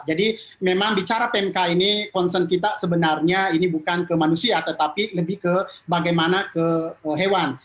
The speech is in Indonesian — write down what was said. jadi memang bicara pmk ini concern kita sebenarnya ini bukan ke manusia tetapi lebih ke bagaimana ke hewan